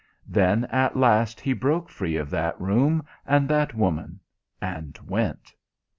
(Then at last he broke free of that room and that woman, and went!)